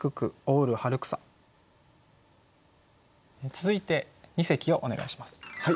続いて二席をお願いします。